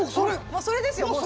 もうそれですよ！